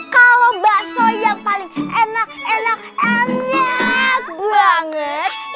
kalau bakso yang paling enak enak banget